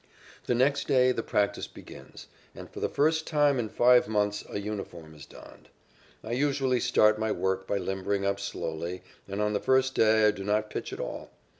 The next day the practice begins, and for the first time in five months, a uniform is donned. I usually start my work by limbering up slowly, and on the first day I do not pitch at all.